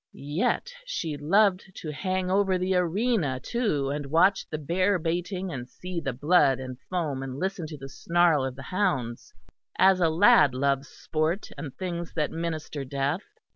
Yet she loved to hang over the arena too and watch the bear baiting and see the blood and foam and listen to the snarl of the hounds, as a lad loves sport and things that minister death.